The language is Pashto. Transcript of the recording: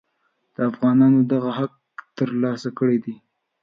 افغانانو دغه حق تر لاسه کړی دی.